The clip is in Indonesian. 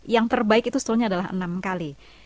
yang terbaik itu sebetulnya adalah enam kali